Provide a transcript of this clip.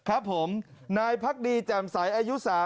ครับผมนายพรรคดีแจ่มสายอายุ๓๐